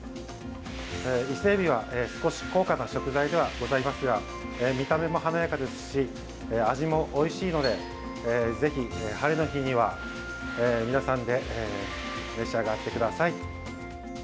伊勢えびは少し高価な食材ではございますが見た目も華やかですし味もおいしいのでぜひハレの日には皆さんで召し上がってください。